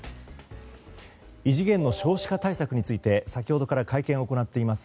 異次元の少子化対策について先ほど会見を行っています